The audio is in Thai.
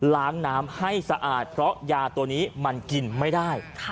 ล้างน้ำให้สะอาดเพราะยาตัวนี้มันกินไม่ได้